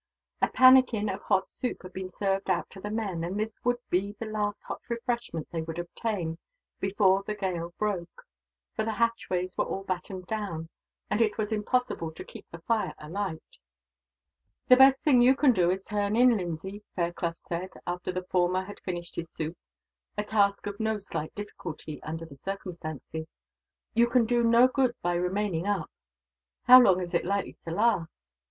A pannikin of hot soup had been served out to the men, and this would be the last hot refreshment they would obtain, before the gale broke; for the hatchways were all battened down, and it was impossible to keep the fire alight. "The best thing you can do is to turn in, Lindsay," Fairclough said, after the former had finished his soup a task of no slight difficulty, under the circumstances. "You can do no good by remaining up." "How long is it likely to last?"